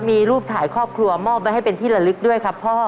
มีรูปถ่ายครอบครัวมอบไว้ให้เป็นที่ละลึกด้วยครับพ่อ